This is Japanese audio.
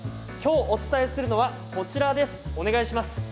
きょう、お伝えするのはこちらです、お願いします。